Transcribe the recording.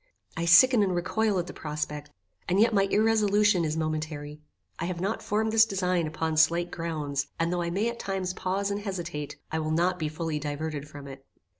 I sicken and recoil at the prospect, and yet my irresolution is momentary. I have not formed this design upon slight grounds, and though I may at times pause and hesitate, I will not be finally diverted from it.